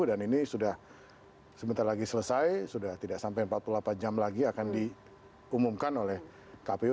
dan ini sudah sebentar lagi selesai sudah tidak sampai empat puluh delapan jam lagi akan diumumkan oleh kpu